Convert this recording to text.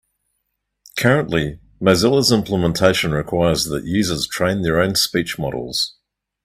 Currently, Mozilla's implementation requires that users train their own speech models.